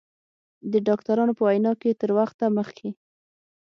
د ډاکترانو په وینا که تر وخته مخکې